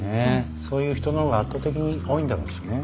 そういう人の方が圧倒的に多いんだろうしね。